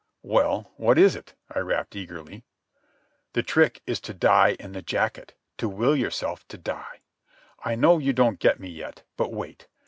"Well, what is it?" I rapped eagerly. "The trick is to die in the jacket, to will yourself to die. I know you don't get me yet, but wait.